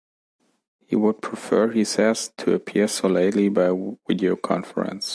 He would prefer, he says, to appear solely by video conference.